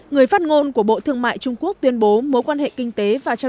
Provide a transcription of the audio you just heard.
người phát ngôn của bộ thương mại trung quốc tuyên bố mối quan hệ kinh tế và trao